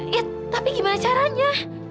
ya tapi gimana caranya